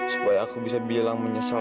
supaya aku bisa bilang menyesal